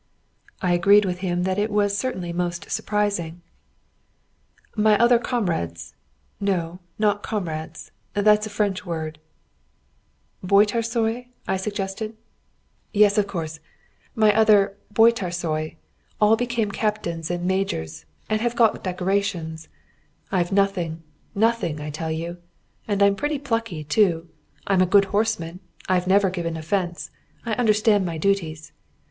I agreed with him that it was certainly most surprising. "My other comrades no, not comrades, that's a French word." "Bajtarsai?" I suggested. [Footnote 94: "Your comrades" the Hungarian equivalent.] "Yes, of course! my other bajtarsai all became captains and majors, and have got decorations. I've nothing! Nothing, I tell you! And I'm pretty plucky too. I'm a good horseman I've never given offence I understand my duties.